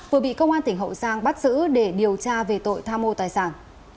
vừa bị công an tỉnh hậu giang bắt giữ để điều tra về tội tham mô tài sản